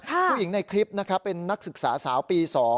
ผู้หญิงในคลิปนะครับเป็นนักศึกษาสาวปี๒